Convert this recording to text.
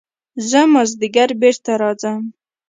زه مازديګر بېرته راځم.